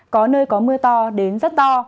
có nơi có mưa to đến rất to